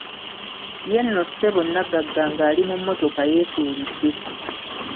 Ye nno ssebo naggagga ng'ali mu mmotoka yeetuulidde!